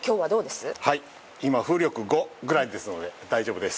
今、風力５ぐらいですので大丈夫です。